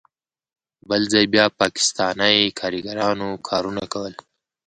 بل ځای بیا پاکستانی کاریګرانو کارونه کول.